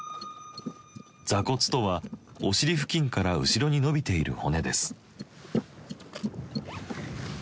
座骨とはお尻付近から後ろに伸びている骨です。